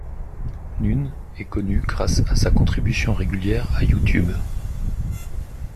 Nunes est connue grâce à sa contribution régulière à YouTube.